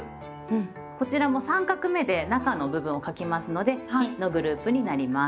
こちらも３画目で中の部分を書きますので「日」のグループになります。